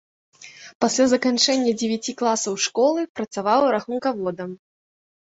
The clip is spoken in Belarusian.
Пасля заканчэння дзевяці класаў школы працаваў рахункаводам.